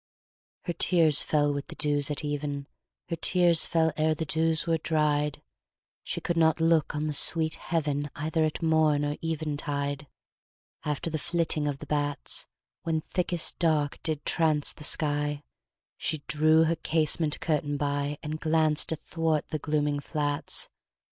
Her tears fell with the dews at even; Her tears fell ere the dews were dried; She could not look on the sweet heaven, Either at morn or eventide. After the flitting of the bats, When thickest dark did trance the sky, She drew her casement curtain by, And glanced athwart the glooming flats.